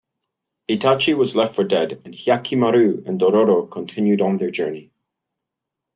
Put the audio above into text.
Itachi was left for dead, and Hyakkimaru and Dororo continued on their journey.